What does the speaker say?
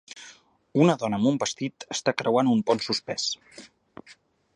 Una dona amb un vestit està creuant un pont suspès.